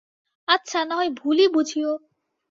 আচ্ছা, নাহয় ভুলই বুঝিয়ো।